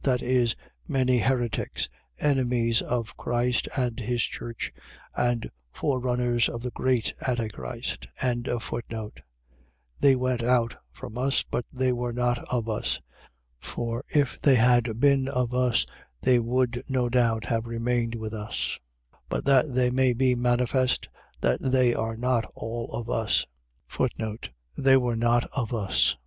.that is, many heretics, enemies of Christ and his church, and forerunners of the great Antichrist. 2:19. They went out from us but they were not of us. For if they had been of us, they would no doubt have remained with us: but that they may be manifest, that they are not all of us. They were not of us.